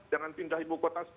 jangan pindah ibu kota